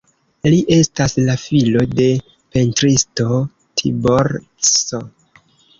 Li estas la filo de pentristo Tibor Cs.